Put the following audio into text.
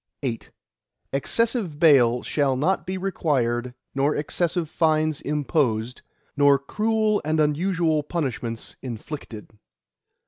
VIII Excessive bail shall not be required nor excessive fines imposed, nor cruel and unusual punishments inflicted.